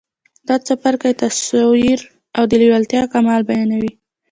دا څپرکی تصور او د لېوالتیا کمال بيانوي.